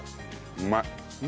うまい！